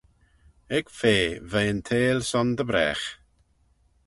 Ec fea veih'n theihll son dy bragh.